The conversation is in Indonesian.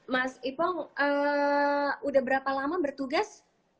mas ipong udah berapa lama bertugas